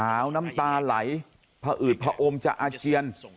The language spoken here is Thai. ขาวน้ำตาไหลผ่าอืดผ่าโอมจะอาเจียน